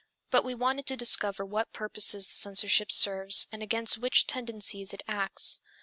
But we wanted to discover what purposes the censorship serves and against which tendencies it acts.